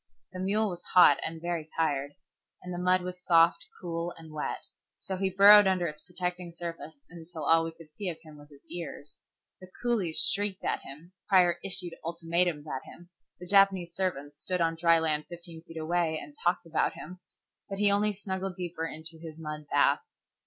The mule was hot and very tired, and the mud was soft, cool, and wet, so he burrowed under its protecting surface until all we could see of him was his ears. The coolies shrieked at him, Prior issued ultimatums at him, the Japanese servants stood on dry land fifteen feet away and talked about him, but he only snuggled deeper into his mud bath.